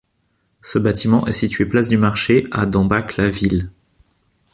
Ce bâtiment est situé place du Marché à Dambach-la-Ville.